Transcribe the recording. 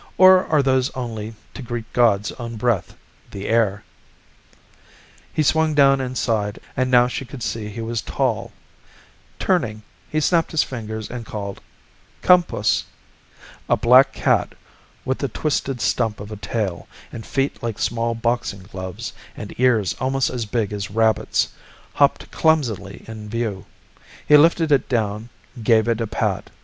"Or are those only to greet God's own breath, the air?" He swung down inside and now she could see he was tall. Turning, he snapped his fingers and called, "Come, puss." A black cat with a twisted stump of a tail and feet like small boxing gloves and ears almost as big as rabbits' hopped clumsily in view. He lifted it down, gave it a pat.